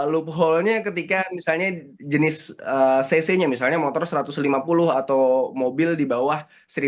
loophole nya ketika misalnya jenis cc nya misalnya motor satu ratus lima puluh atau mobil di bawah seratus